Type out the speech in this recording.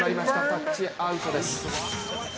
タッチアウトです。